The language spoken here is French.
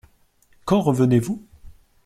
Quand revenez-vous ?